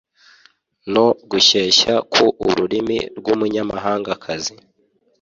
No gushyeshya ku ururimi rwumunyamahangakazi